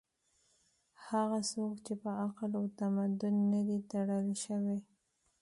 هغه څوک چې په عقل او تمدن نه دي تړل شوي